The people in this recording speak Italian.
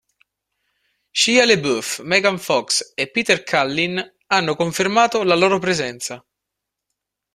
Shia LaBeouf, Megan Fox e Peter Cullen hanno confermato la loro presenza.